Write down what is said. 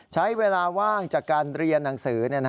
ใช้เวลาว่างจากการเรียนหนังสือ